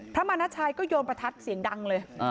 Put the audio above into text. มานาชัยก็โยนประทัดเสียงดังเลย